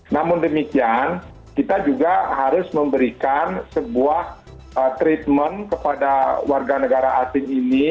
namun demikian kita juga harus memberikan sebuah treatment kepada warga negara asing ini